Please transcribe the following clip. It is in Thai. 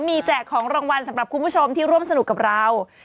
มีแจกของรางวัลสำหรับคุณผู้ชมที่ร่วมสนุกกับเรา